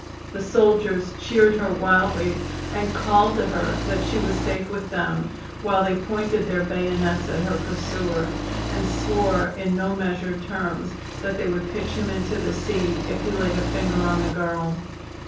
The soldiers cheered her wildly, and called to her that she was safe with them, while they pointed their bayonets at her pursuer and swore in no measured terms that they would pitch him into the sea if he laid a finger on the girl.